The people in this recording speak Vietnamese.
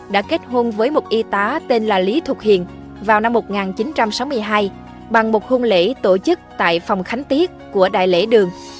đã kết hôn với một y tá tên là lý thục hiền vào năm một nghìn chín trăm sáu mươi hai bằng một hôn lễ tổ chức tại phòng khánh tiết của đại lễ đường